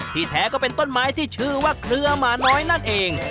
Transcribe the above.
แท้ก็เป็นต้นไม้ที่ชื่อว่าเครือหมาน้อยนั่นเอง